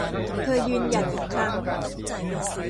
เธอยืนหยัดอีกครั้ง